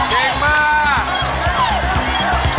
เยี่ยมมาก